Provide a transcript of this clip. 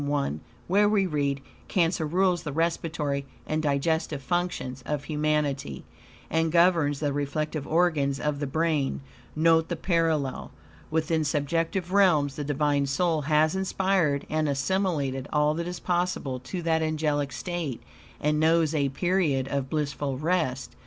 I, where we read: "Cancer rules the respiratory and digestive functions of humanity, and governs the reflective organs of the brain." Note the parallel. Within subjective realms the Divine soul has inspired and assimilated all that is possible to that angelic state, and knows a period of blissful rest.